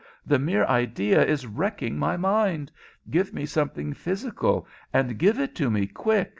The mere idea is wrecking my mind. Give me something physical, and give it to me quick."